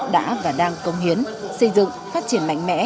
đã và đang công hiến xây dựng phát triển mạnh mẽ